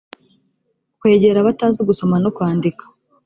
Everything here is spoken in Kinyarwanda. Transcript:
kwegera abatazi gusoma no kwandika